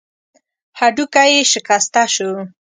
هډوکی يې شکسته شو.